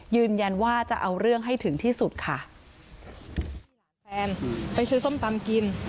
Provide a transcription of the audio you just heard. ยืนยันว่าจะเอาเรื่องให้ถึงที่สุดค่ะแฟนไปซื้อส้มตำกิน